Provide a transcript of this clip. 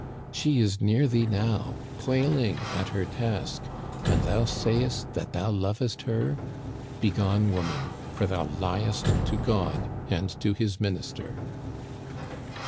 She is near thee now, toiling at her task ; and thou sayest that thou lovest her ! Begone, woman, for thou liest to God and to his minister